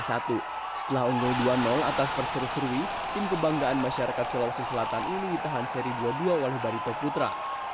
setelah unggul dua atas perseru serui tim kebanggaan masyarakat sulawesi selatan ini ditahan seri dua puluh dua oleh barito putra